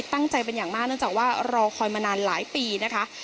ตั้งใจเป็นอย่างมากเนื่องจากว่ารอคอยมานานหลายปีนะคะ